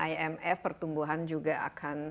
imf pertumbuhan juga akan